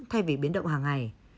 thay vì biến động hàng ngày